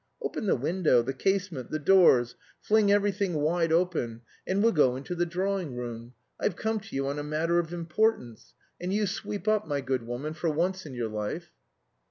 Open the window, the casement, the doors, fling everything wide open. And we'll go into the drawing room. I've come to you on a matter of importance. And you sweep up, my good woman, for once in your life."